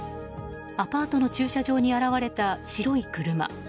アパートの駐車場に現れた白い車。